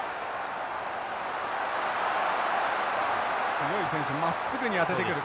強い選手まっすぐに当ててくる。